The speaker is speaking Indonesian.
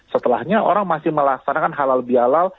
setelahnya orang masih melaksanakan halal bihalal